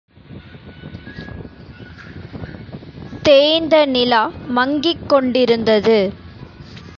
தேய்ந்த நிலா மங்கிக் கொண்டிருந்தது.